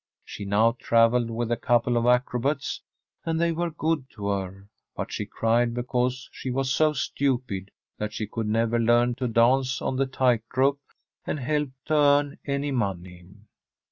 She now travelled with a couple of acrobats, and they were good to her, but she cried because she was so stupid that she could never learn to dance on the tight rope and help to earn any money.